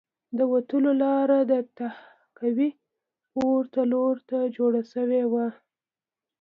د وتلو لاره د تهکوي پورته لور ته جوړه شوې وه